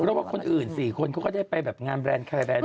รอกว่าคนอื่นสี่คนเค้าก็ได้ไปแบบงานแบรนด์แคลร์แบรนด์